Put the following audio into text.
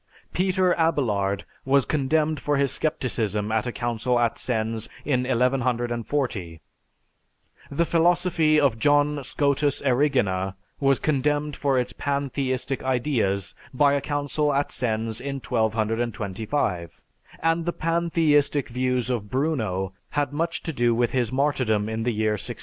Peter Abelard was condemned for his scepticism at a council at Sens in 1140; the philosophy of John Scotus Erigena was condemned for its pantheistic ideas by a council at Sens in 1225; and the pantheistic views of Bruno had much to do with his martyrdom in the year 1600.